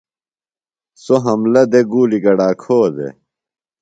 سوۡ حملہ دےۡ گُولیۡ گڈا کھو دےۡ۔